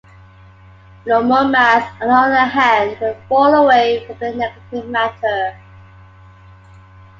Normal mass, on the other hand, will fall away from the negative matter.